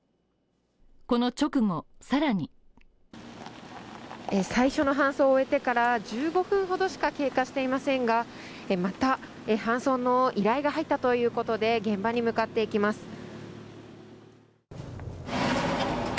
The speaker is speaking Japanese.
この直後、さらに最初の搬送を終えてから１５分ほどしか経過していませんがまた搬送の依頼が入ったということで現場に向かっていきます。